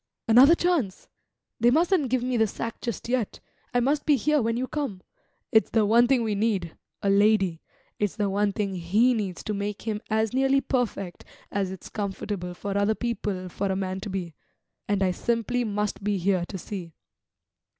"Another chance! They mustn't give me the sack just yet I must be here when you come. It's the one thing we need a lady. It's the one thing he needs to make him as nearly perfect as it's comfortable for other people for a man to be. And I simply must be here to see."